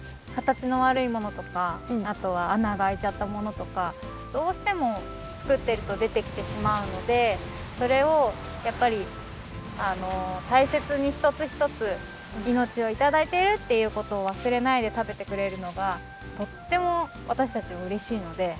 形のわるいものとかあとはあながあいちゃったものとかどうしてもつくっているとでてきてしまうのでそれをやっぱりたいせつにひとつひとついのちをいただいているっていうことをわすれないでたべてくれるのがとってもわたしたちはうれしいので。